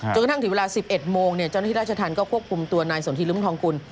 จนกระทั่งที่เวลา๑๑โมงเจ้าหน้าที่ราชทันก็ควบคุมตัวในสวนทีรุมทองกุล